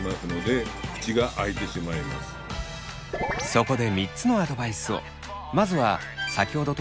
そこで３つのアドバイスを。